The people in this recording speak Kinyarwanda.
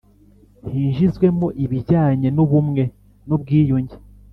hinjizwemo ibijyanye n'ubumwe n'ubwiyunge.